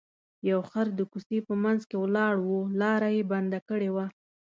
یو خر د کوڅې په منځ کې ولاړ و لاره یې بنده کړې وه.